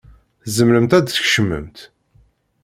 Tzemremt ad d-tkecmemt.